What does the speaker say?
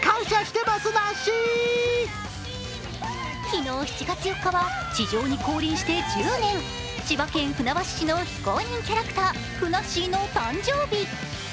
昨日７月４日は地上に降臨して１０年千葉県船橋市の非公認キャラクター、ふなっしーの誕生日。